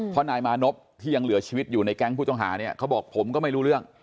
เพราะนายมานพที่ยังเหลือชีวิตอยู่ในแก๊งผู้ต้องหาเนี่ยเขาบอกผมก็ไม่รู้เรื่อง